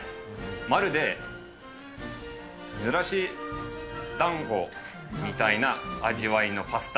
まるでみたらし団子みたいな味わいのパスタ。